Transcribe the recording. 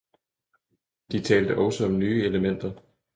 De talte også om nye elementer.